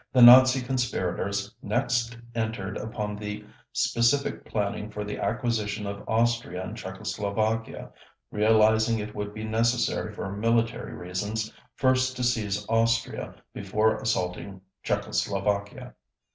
_ The Nazi conspirators next entered upon the specific planning for the acquisition of Austria and Czechoslovakia, realizing it would be necessary, for military reasons, first to seize Austria before assaulting Czechoslovakia.